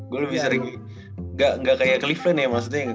gue lebih sering gak kayak cleveland ya maksudnya